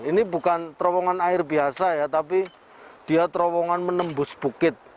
ini bukan terowongan air biasa ya tapi dia terowongan menembus bukit